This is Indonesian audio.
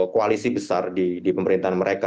koalisi besar di pemerintahan mereka